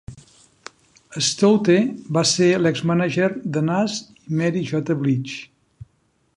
Stoute va ser l'ex Manager de nas i Mary J. Blige.